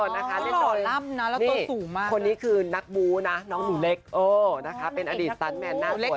อ๋อนะคะเล่นตอนนี้คนนี้คือนักบูนะน้องหนูเล็กเป็นอดีตสัตว์แม่นหน้าสวย